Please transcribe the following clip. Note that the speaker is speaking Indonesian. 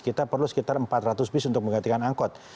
kita perlu sekitar empat ratus bis untuk menggantikan angkot